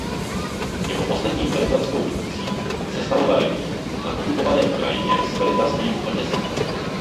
Jeho posledním velitelskou funkcí se stalo velení na okupované Ukrajině s velitelstvím v Oděse.